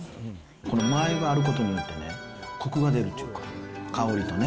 このマー油があることによってね、コクが出るっちゅうか、香りとね。